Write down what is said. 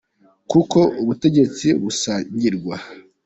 Kuko ubutegetsi busangirwa.